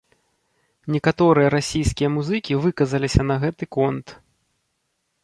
Некаторыя расійскія музыкі выказаліся на гэты конт.